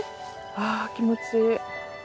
ああ気持ちいい。